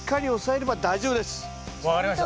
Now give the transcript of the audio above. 分かりました。